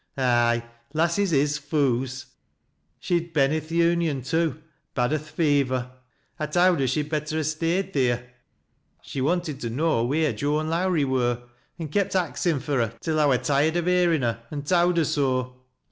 Ay, lasses is foo's. She'd ben i' th' Union, too, bad o' th' fever. I towd her she'd better ha' stayed theer, She wanted to know wheer Joan Lowrie wur, an' kepi axin fur her till I wur tired o' hearin' her, and towd her so."